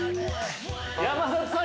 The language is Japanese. ◆山里さん！